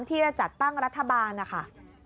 ที่จะจัดตั้งรัฐบาลนะคะ